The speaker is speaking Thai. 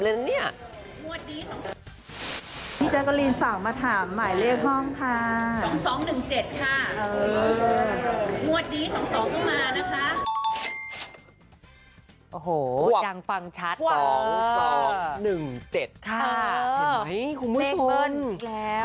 เลขเบิ้ลอีกแล้ว